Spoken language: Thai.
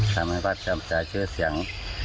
ทำให้วัดจำใจชื่อเสียง